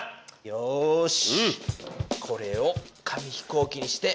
よし！